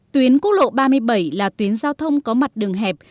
tuyến quốc lộ ba mươi bảy là tuyến giao thông có mặt đường hẹp